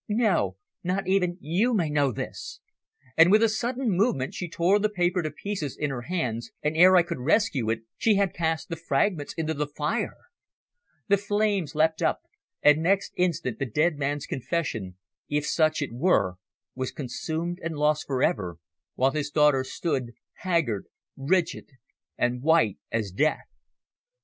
"No! Not even you may know this!" And with a sudden movement she tore the paper to pieces in her hands, and ere I could rescue it, she had cast the fragments into the fire. The flames leapt up, and next instant the dead man's confession if such it were was consumed and lost for ever, while his daughter stood, haggard, rigid and white as death.